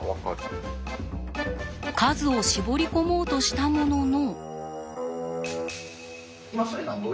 数を絞り込もうとしたものの。